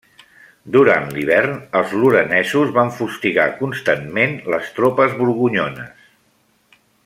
Durant l'hivern, els lorenesos van fustigar constantment les tropes borgonyones.